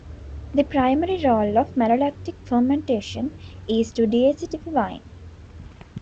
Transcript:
The primary role of malolactic fermentation is to deacidify wine.